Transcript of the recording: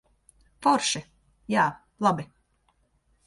Forši. Jā, labi.